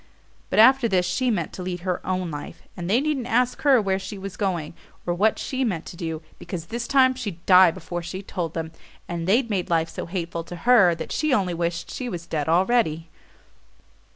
But after this she meant to lead her own life; and they needn't ask her where she was going, or what she meant to do, because this time she'd die before she told them and they'd made life so hateful to her that she only wished she was dead already.